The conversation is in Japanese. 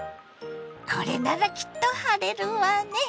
これならきっと晴れるわね。